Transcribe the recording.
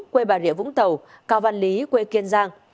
quê bà rịa vũng tàu cao văn lý quê kiên giang